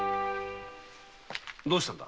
どうしたんだ？